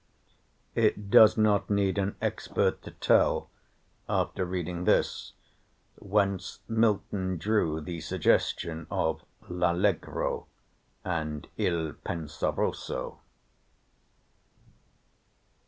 It does not need an expert to tell, after reading this, whence Milton drew the suggestion of 'L'Allegro' and 'Il Penseroso.'